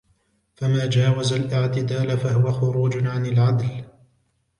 فَمَا جَاوَزَ الِاعْتِدَالَ فَهُوَ خُرُوجٌ عَنْ الْعَدْلِ